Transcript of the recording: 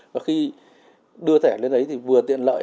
và khi đưa thẻ lên đấy thì vừa tiện lợi